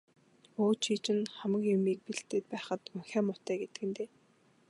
Өө, чи чинь хамаг юмыг нь бэлдээд байхад унхиа муутай гэдэг нь дээ.